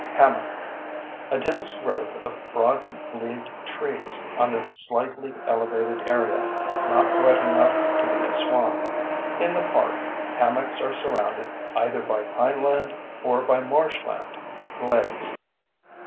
HAMMOCK: A dense growth of broad leaved trees on a slightly elevated area, not wet enough to be a swamp. In the park, hammocks are surrounded either by pineland or by marshland (glades).